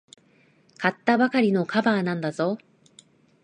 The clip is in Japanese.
買ったばかりのカバーなんだぞ。